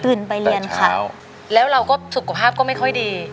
ตื่นไปเรียนค่ะแต่เช้าแล้วเราก็สุขภาพก็ไม่ค่อยดี